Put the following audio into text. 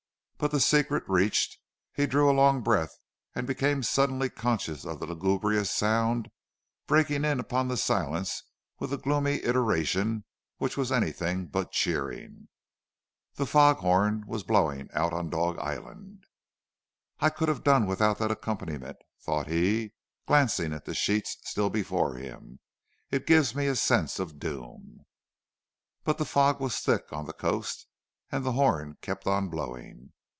But the secret reached, he drew a long breath and became suddenly conscious of a lugubrious sound breaking in upon the silence with a gloomy iteration which was anything but cheering. The fog horn was blowing out on Dog Island. "I could have done without that accompaniment," thought he, glancing at the sheets still before him. "It gives me a sense of doom." But the fog was thick on the coast and the horn kept on blowing.